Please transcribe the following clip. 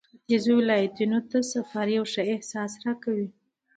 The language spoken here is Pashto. ختيځو ولایتونو ته سفر یو ښه احساس راکوي.